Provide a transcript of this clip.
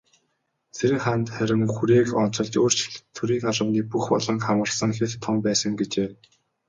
Цэрэнханд харин хүрээг онцолж, "өөрчлөлт төрийн албаны бүх буланг хамарсан хэт том байсан" гэжээ.